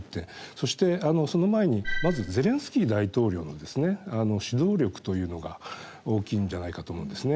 そしてその前にまずゼレンスキー大統領の指導力というのが大きいんじゃないかと思うんですよね。